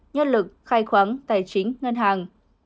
nhân lực khai khoáng tài chính ngân hàng